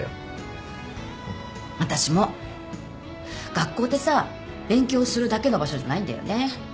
学校ってさ勉強するだけの場所じゃないんだよね。